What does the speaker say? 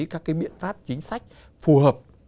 các biện pháp chính sách phù hợp